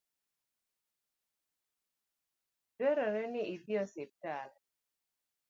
Dwarore ni idhi osiptal